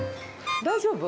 大丈夫？